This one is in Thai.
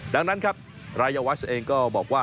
ดังนั้นครับรายวัชเองก็บอกว่า